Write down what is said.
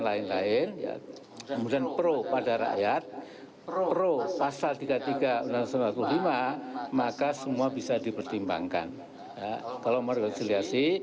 kemudian pro pada rakyat pro pasal tiga puluh tiga dan sembilan puluh lima maka semua bisa dipertimbangkan kalau merekonsiliasi